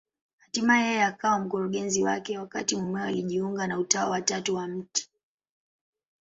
Hatimaye yeye akawa mkurugenzi wake, wakati mumewe alijiunga na Utawa wa Tatu wa Mt.